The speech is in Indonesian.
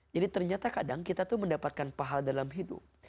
jadi ternyata kadang kita tuh mendapatkan pahala dalam hidup